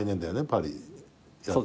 パリやって。